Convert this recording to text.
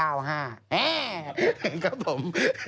๙๕แอ๊ะครับผม